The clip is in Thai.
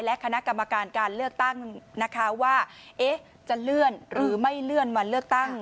และคณะกรรมการการเลือกตั้งนะคะว่าจะเลื่อนหรือไม่เลื่อนวันเลือกตั้ง